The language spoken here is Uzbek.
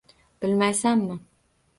Bilmaysanmi?